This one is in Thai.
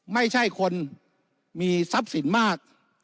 ไม่ใช่คนมีทรัพย์สินมาก